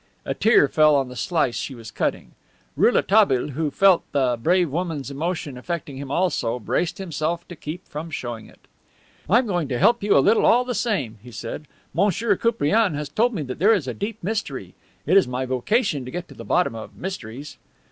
A tear fell on the slice she was cutting. Rouletabille, who felt the brave woman's emotion affecting him also, braced himself to keep from showing it. "I am able to help you a little all the same," he said. "Monsieur Koupriane has told me that there is a deep mystery. It is my vocation to get to the bottom of mysteries."